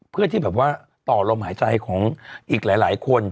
เพื่อที่แบบว่าต่อลมหายใจของอีกหลายคน